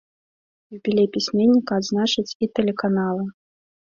Юбілей пісьменніка адзначаць і тэлеканалы.